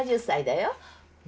７０歳だよ。